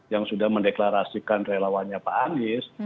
yang sudah mendeklarasikan relawannya pak anies